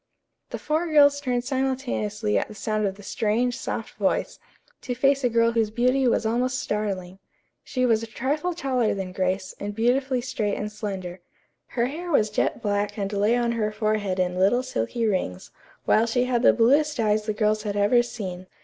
The four girls turned simultaneously at the sound of the strange, soft voice, to face a girl whose beauty was almost startling. She was a trifle taller than Grace and beautifully straight and slender. Her hair was jet black and lay on her forehead in little silky rings, while she had the bluest eyes the girls had ever seen.